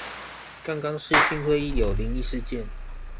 剛剛視訊會議有靈異事件